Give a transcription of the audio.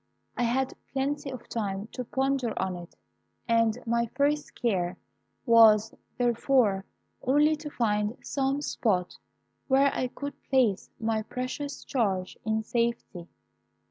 I had plenty of time to ponder on it, and my first care was, therefore, only to find some spot where I could place my precious charge in safety.